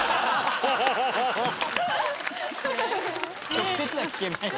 直接は聞けない。